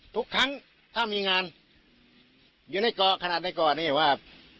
ทุกครั้งถ้ามีงานอยู่ในเกาะขนาดในก่อนี่ว่า